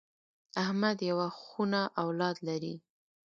احمد یوه خونه اولاد لري.